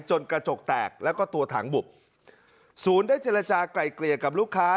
กระจกแตกแล้วก็ตัวถังบุบศูนย์ได้เจรจากลายเกลี่ยกับลูกค้า